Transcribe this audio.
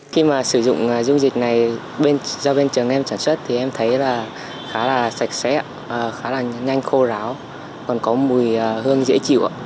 khi mà sử dụng dung dịch này do bên trường em sản xuất thì em thấy là khá là sạch sẽ khá là nhanh khô ráo còn có mùi hơn dễ chịu ạ